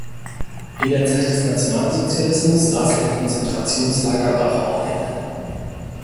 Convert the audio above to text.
In der Zeit des Nationalsozialismus saß er im Konzentrationslager Dachau ein.